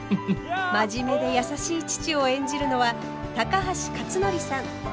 真面目で優しい父を演じるのは高橋克典さん。